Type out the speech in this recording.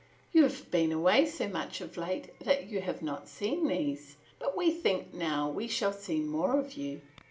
"You have been away so much of late that you have not seen these, but we think now we shall see more of you."